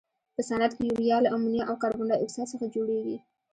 په صنعت کې یوریا له امونیا او کاربن ډای اکسایډ څخه جوړیږي.